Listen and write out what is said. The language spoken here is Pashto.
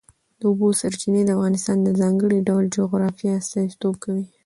د اوبو سرچینې د افغانستان د ځانګړي ډول جغرافیه استازیتوب کوي.